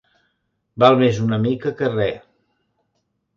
Val més una mica que res